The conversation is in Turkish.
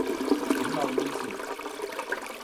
Bunu almalısın.